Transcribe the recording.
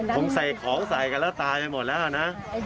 ผมใส่ของใส่กันแล้วตายไปหมดแล้วนะ